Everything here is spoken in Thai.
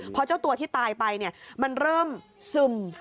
เพราะเจ้าตัวที่ตายไปมันเริ่มซึม